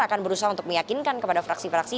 akan berusaha untuk meyakinkan kepada fraksi fraksi